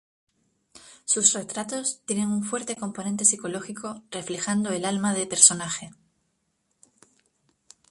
Sus retratos tienen un fuerte componente psicológico reflejando el alma de personaje.